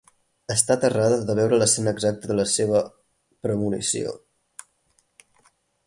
Està aterrada de veure l'escena exacta de la seva "premonició".